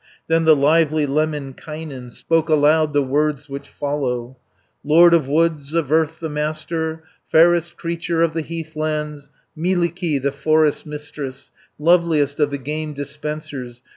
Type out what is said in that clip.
250 Then the lively Lemminkainen Spoke aloud the words which follow: "Lord of woods, of earth the master, Fairest creature of the heathlands; Mielikki, the forest's mistress, Loveliest of the game dispensers!